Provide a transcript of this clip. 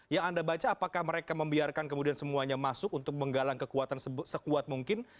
yang anda baca apakah mereka membiarkan kemudian semuanya masuk untuk menggalang kekuatan sekuat mungkin